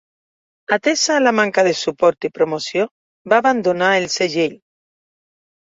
Atesa la manca de suport i promoció, va abandonar el segell.